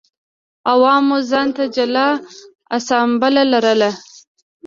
عوامو ځان ته جلا اسامبله لرله